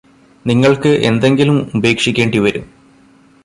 നിങ്ങള്ക്ക് എന്തെങ്കിലും ഉപേക്ഷിക്കേണ്ടി വരും